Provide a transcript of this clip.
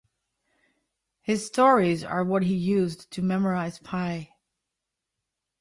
His stories are what he used to memorize pi.